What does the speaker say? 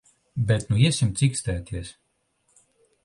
Bet nu iesim cīkstēties.